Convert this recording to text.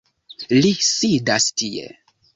Li sidas tie